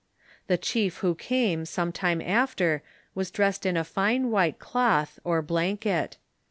The chief who came some time after was dressed in a fine white cloth, or blanket.